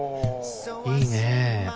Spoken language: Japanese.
いいね。